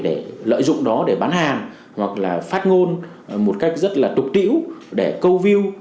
để lợi dụng đó để bán hàng hoặc là phát ngôn một cách rất là tục tiễu để câu view